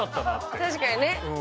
確かにね。